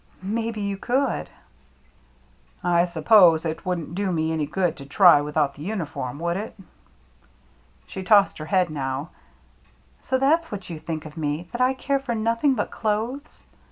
"Maybe you could." "I suppose it wouldn't do me any good to try without the uniform, would it ?" She tossed her head now. " So that's what you think of me — that I care for nothing but clothes?"